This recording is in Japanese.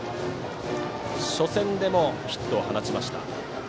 初戦でもヒットを放ちました。